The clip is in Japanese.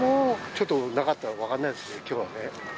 ちょっとなかった、分かんないです、きょうはね。